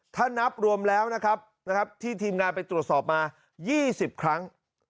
ถ้านับรวมแล้วนะครับที่ทีมงานไปตรวจสอบมา๒๐ครั้ง